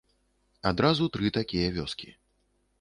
Адразу тры такія вёскі.